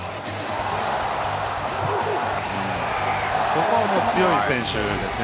ここは強い選手ですね。